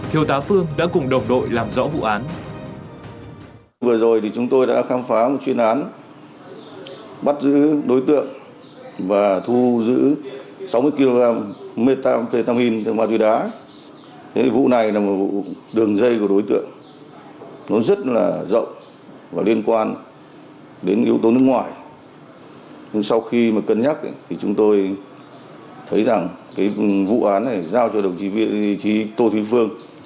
hiệu tá phương đã cùng đồng đội làm rõ vụ án